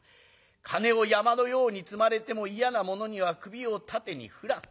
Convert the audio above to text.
金を山のように積まれても嫌なものには首を縦に振らん。